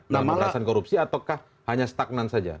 pemberantasan korupsi ataukah hanya stagnan saja